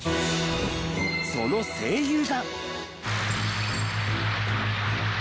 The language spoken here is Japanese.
その声優が。